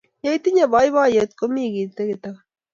Yeitinnye poipyotet ko mye kit ake tukul.